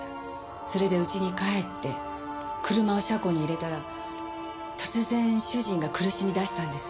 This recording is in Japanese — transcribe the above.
それでうちに帰って車を車庫に入れたら突然主人が苦しみ出したんです。